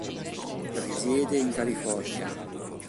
Risiede in California.